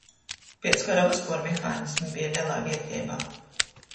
Piec kara vyspuor mehanismi beja lelā vierteibā.